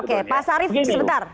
oke pak sharif sebentar